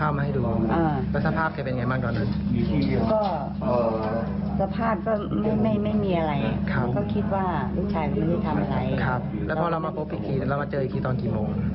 เมื่อเช้านี่พ่อต่างคนต่างไป